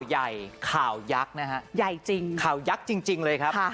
ใหญ่ข่าวยักษ์นะฮะใหญ่จริงข่าวยักษ์จริงเลยครับ